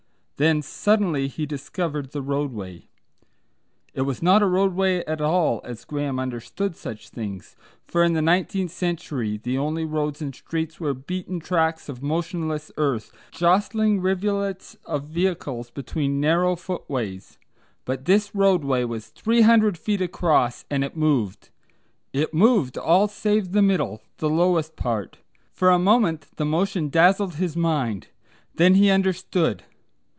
Then suddenly he discovered the roadway! It was not a roadway at all, as Graham understood such things, for in the nineteenth century the only roads and streets were beaten tracks of motionless earth, jostling rivulets of vehicles between narrow footways. But this roadway was three hundred feet across, and it moved; it moved, all save the middle, the lowest part. For a moment, the motion dazzled his mind. Then he understood.